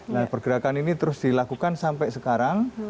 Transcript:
nah pergerakan ini terus dilakukan sampai sekarang